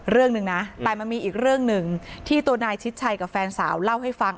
เรื่องหนึ่งนะแต่มันมีอีกเรื่องหนึ่งที่ตัวนายชิดชัยกับแฟนสาวเล่าให้ฟัง